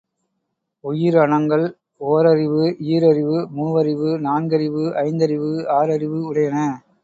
உயிரணங்கள் ஓரறிவு, ஈரறிவு, மூவறிவு, நான்கறிவு, ஐந்தறிவு, ஆறறிவு உடையன.